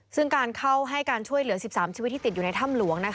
ซึ่งการเข้าให้การช่วยเหลือ๑๓ชีวิตที่ติดอยู่ในถ้ำหลวง